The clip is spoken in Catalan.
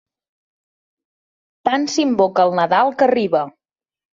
Tant s'invoca el Nadal que arriba.